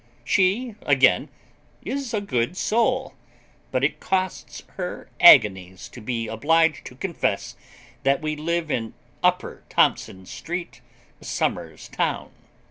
She, again, is a good soul, but it costs her agonies to be obliged to confess that we live in Upper Thompson Street, Somers Town.